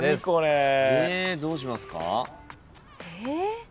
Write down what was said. えどうしますか？